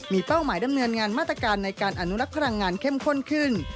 มีเป้าหมายดำเนินงานมาตรการในการอนุรักษ์พลังงานเข้มข้นขึ้น